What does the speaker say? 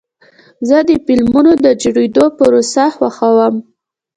زه د فلمونو د جوړېدو پروسه خوښوم.